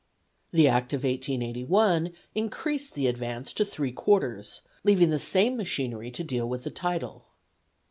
The Act of 1881 increased the advance to three quarters, leaving the same machinery to deal with the title.